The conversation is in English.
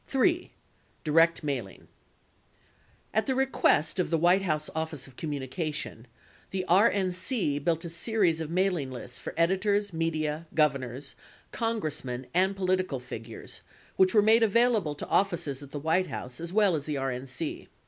54 3. DIRECT MAILING At the request of the White House Office of Communication, the RNC built a series of mailing lists for editors, media, governors, Con gressmen, and political figures which were made available to offices at the White House as well as the RN C.